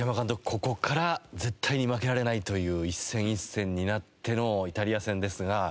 ここから絶対に負けられないという１戦１戦になってのイタリア戦ですが。